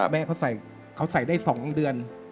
แม่เขาใส่ได้๒เดือน